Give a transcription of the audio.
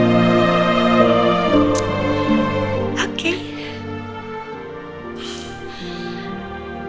tapi abie masih takut tante